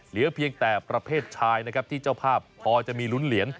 เหลือเพียงแต่ประเภทชายนะครับที่เจ้าภาพพอจะมีลุ้นเหรียญ